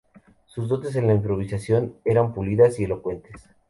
Sus dotes en la improvisación eran pulidas y elocuentes.